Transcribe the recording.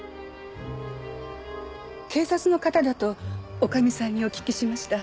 警察の方だと女将さんにお聞きしました。